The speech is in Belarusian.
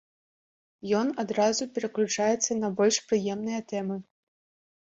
Ён адразу пераключаецца на больш прыемныя тэмы.